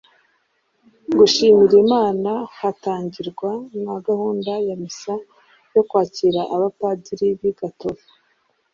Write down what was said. gushimira imana hatangirwa na gahunda ya misa yo kwakira abapadiri b’i gatovu